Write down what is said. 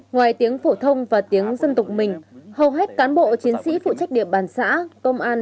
ngoài tiếng phổ thông và tiếng dân tộc mình hầu hết cán bộ chiến sĩ phụ trách địa bàn xã công an